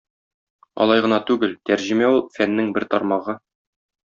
Алай гына түгел, тәрҗемә ул - фәннең бер тармагы.